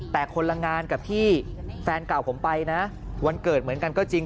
แต่คนละงานกับที่แฟนเก่าผมไปนะวันเกิดเหมือนกันก็จริง